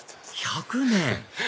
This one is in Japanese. １００年！